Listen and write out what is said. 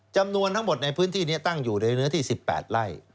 จำนวนทั้งหมดในพื้นที่นี้ตั้งอยู่ในเนื้อที่๑๘ไร่